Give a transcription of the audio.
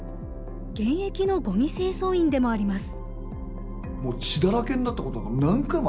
現役のごみ清掃員でもあります。